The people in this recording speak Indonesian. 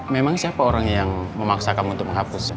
memang siapa orang yang memaksa kamu untuk menghapus